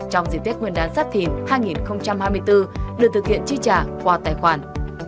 trong diễn tiết nguyên đán sắp thỉnh hai nghìn hai mươi bốn được thực hiện chi trả qua tài khoản